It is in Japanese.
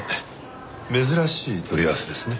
珍しい取り合わせですね。